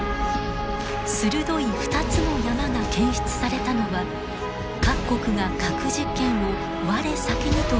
鋭い２つの山が検出されたのは各国が核実験を我先にと繰り返した時期。